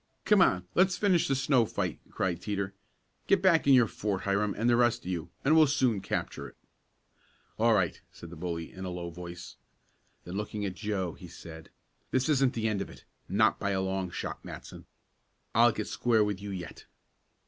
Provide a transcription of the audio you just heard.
"Come on! Let's finish the snow fight!" cried Teeter. "Get back in your fort, Hiram, and the rest of you, and we'll soon capture it." "All right," said the bully in a low voice. Then looking at Joe he said: "This isn't the end of it; not by a long shot, Matson. I'll get square with you yet."